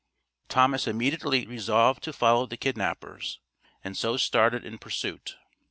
Thomas immediately resolved to follow the kidnappers, and so started in pursuit.